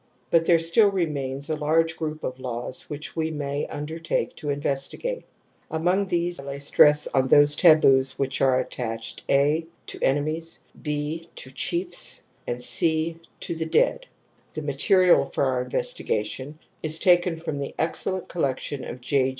But there still remains a large group of laws which we may undertake to investigate. Among these I lay stress on those taboos which are attached . i ., (a) to enemies, (6) to chiefs, and (c) to the dead ; /fjrfc^ft^^' ^' the material for oiu* investigation is taken from the excellent collection of J.